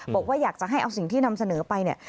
บอกว่าอยากจะให้เอาสิ่งที่นำเสนอไปเนี่ย